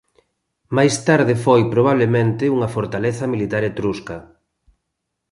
Máis tarde foi probablemente unha fortaleza militar etrusca.